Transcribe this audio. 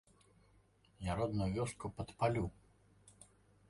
Я родную вёску падпалю!